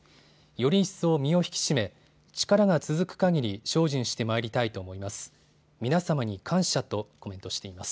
より一層身を引き締め力が続くかぎり精進してまいりたいと思います。